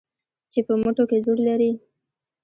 چې په مټو کې زور لري